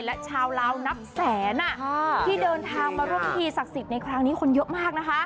และชาวลาวนับแสนที่เดินทางมาร่วมพิธีศักดิ์สิทธิ์ในครั้งนี้คนเยอะมากนะคะ